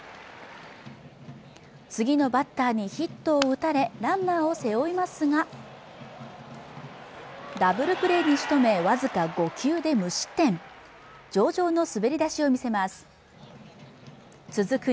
次のバッターにヒットを打たれランナーを背負いますがダブルプレーにしとめわずか５球で無失点上々の滑り出しを見せます続く